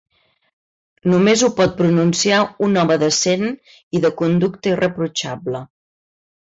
Només ho pot pronunciar un home decent i de conducta irreprotxable.